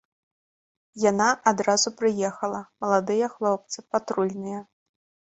Яна адразу прыехала, маладыя хлопцы патрульныя.